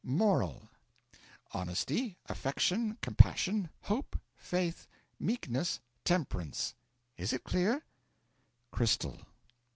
Moral Honesty, affection, compassion, hope, faith, meekness, temperance. Is it clear?' 'Crystal.'